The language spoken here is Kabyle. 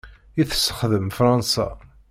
I tessexdem Fransa.